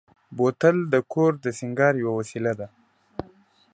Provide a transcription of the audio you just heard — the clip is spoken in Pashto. بوتل د کور د سینګار یوه وسیله ده.